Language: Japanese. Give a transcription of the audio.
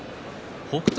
北勝